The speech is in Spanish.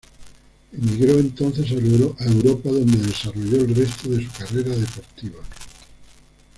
Emigró entonces a Europa donde desarrolló el resto de su carrera deportiva.